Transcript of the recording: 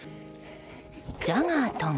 ジャガーとも。